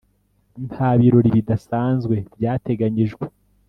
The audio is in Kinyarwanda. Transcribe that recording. nta birori bidasanzwe byateganyijwe